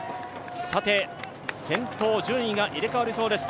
さて先頭順位が入れ替わりそうです。